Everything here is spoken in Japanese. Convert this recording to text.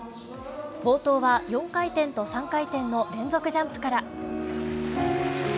冒頭は４回転と３回転の連続ジャンプから。